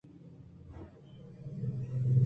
آئی ءِ دیم ساپ